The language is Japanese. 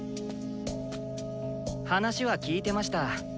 話は聞いてました。